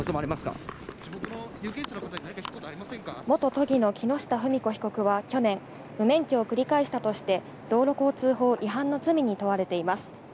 元都議の木下富美子被告は去年、無免許を繰り返したとして、道路交通法違反の罪に問われています。